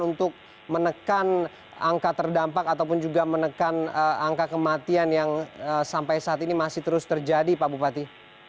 untuk menekan angka terdampak ataupun juga menekan angka kematian yang sampai saat ini masih terus terjadi pak bupati